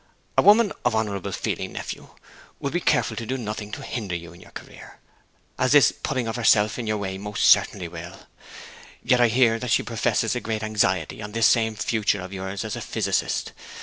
'A woman of honourable feeling, nephew, would be careful to do nothing to hinder you in your career, as this putting of herself in your way most certainly will. Yet I hear that she professes a great anxiety on this same future of yours as a physicist.